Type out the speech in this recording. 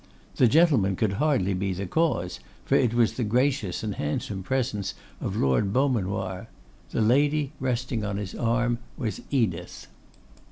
The gentleman could hardly be the cause, for it was the gracious and handsome presence of Lord Beaumanoir: the lady resting on his arm was Edith.